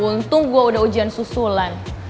untung gue udah ujian susulan